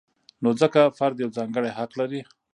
نو ځکه فرد یو ځانګړی حق لري.